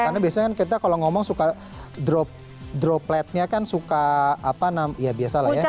karena biasanya kan kita kalau ngomong suka dropletnya kan suka apa namanya ya biasa lah ya